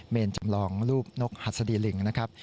จำลองรูปนกหัสดีลิงนะครับ